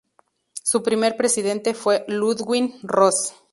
Su primer presidente fue Ludwig Ross.